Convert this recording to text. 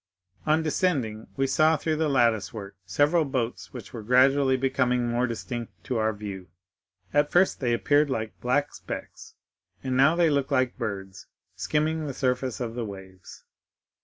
On descending, we saw through the lattice work several boats which were gradually becoming more distinct to our view. At first they appeared like black specks, and now they looked like birds skimming the surface of the waves.